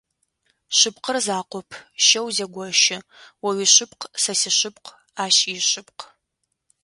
Шъыпкъэр закъоп, щэу зегощы, о уишъыпкъ, сэ сишъыпкъ, ащ ишъыпкъ.